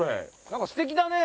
何かすてきだね。